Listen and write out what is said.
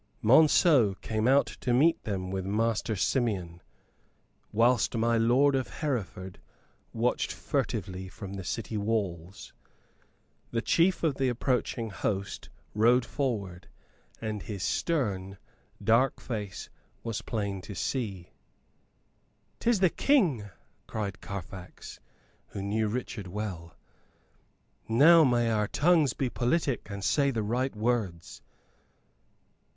Monceux came out to meet them with Master Simeon, whilst my lord of Hereford watched furtively from the city walls. The chief of the approaching host rode forward, and his stern, dark face was plain to see. "'Tis the King!" cried Carfax, who knew Richard well. "Now may our tongues be politic and say the right words."